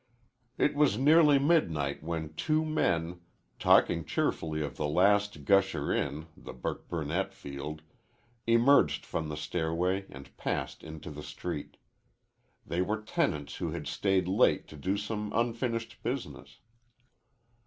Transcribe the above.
It was nearly midnight when two men, talking cheerfully of the last gusher in, the Buckburnett field, emerged from the stairway and passed into the street. They were tenants who had stayed late to do some unfinished business.